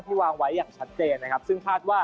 วางไว้อย่างชัดเจนนะครับซึ่งคาดว่า